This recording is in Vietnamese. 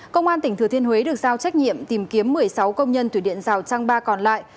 công an tỉnh thừa thiên huế được giao trách nhiệm tìm kiếm một mươi sáu công nhân thủy điện rào trăng ba còn lại